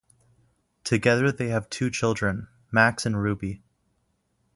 Together they have two children, Max and Ruby.